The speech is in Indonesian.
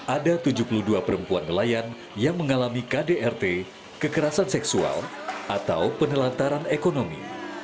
ada tujuh puluh dua perempuan nelayan yang mengalami kdrt kekerasan seksual atau penelantaran ekonomi